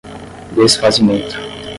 desfazimento